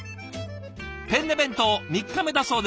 「ペンネ弁当３日目」だそうです。